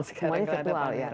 semuanya virtual ya